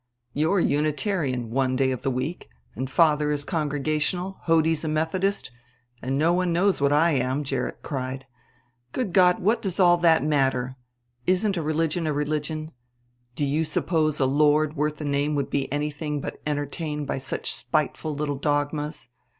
"You're Unitarian one day a week, and father is Congregational, Hodie's a Methodist, and no one knows what I am," Gerrit cried. "Good God, what does all that matter! Isn't a religion a religion? Do you suppose a Lord worth the name would be anything but entertained by such spiteful little dogmas.